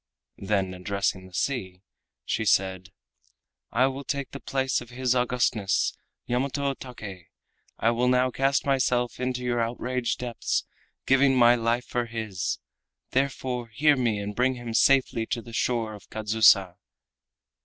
Then addressing the sea she said: "I will take the place of His Augustness, Yamato Take. I will now cast myself into your outraged depths, giving my life for his. Therefore hear me and bring him safely to the shore of Kadzusa."